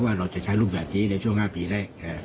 เราจะใช้รูปแบบนี้ในช่วง๕ปีแรก